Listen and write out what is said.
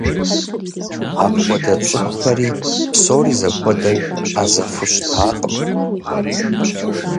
Апхуэдэ цӏыхухэри псори зэхуэдэу ӏэзэфу щытакъым.